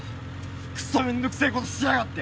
クソ面倒くせぇことしやがって！